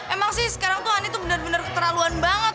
emang sih sekarang tuh hani tuh bener bener keterlaluan banget